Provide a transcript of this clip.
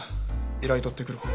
依頼取ってくる方法。